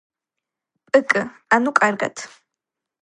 პკ ანუ კარგად